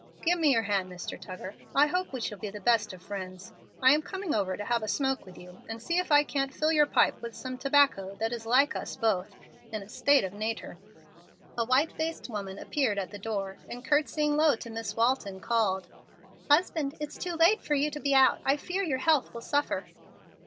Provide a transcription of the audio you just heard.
"Give me your hand, Mr. Tuggar. I hope we shall be the best of friends. I am coming over to have a smoke with you, and see if I can't fill your pipe with some tobacco that is like us both, 'in a state of natur.'" A white faced woman appeared at the door, and courtesying low to Miss Walton, called, "Husband, it's too late for you to be out; I fear your health will suffer."